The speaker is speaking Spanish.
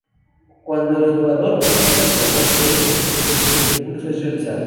Cuando el jugador pulsa el botón B, el "Super Impulso" es realizado.